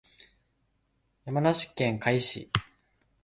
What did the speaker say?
山梨県甲斐市